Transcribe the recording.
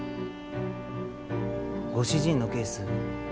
ご主人のケース